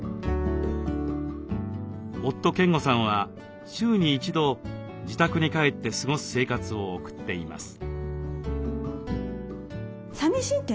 夫・健吾さんは週に一度自宅に帰って過ごす生活を送っています。